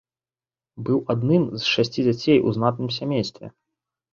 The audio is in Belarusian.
Быў адным з шасці дзяцей у знатным сямействе.